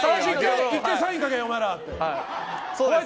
１回サイン書け、お前らって。